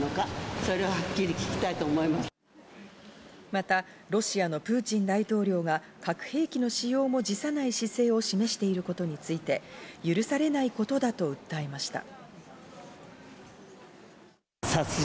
またロシアのプーチン大統領が核兵器の使用も辞さない姿勢を示していることについて、許されないことだと訴えました。